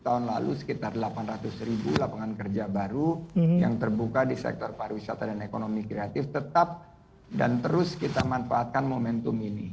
tahun lalu sekitar delapan ratus ribu lapangan kerja baru yang terbuka di sektor pariwisata dan ekonomi kreatif tetap dan terus kita manfaatkan momentum ini